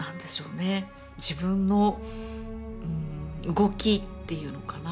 自分の動きっていうのかな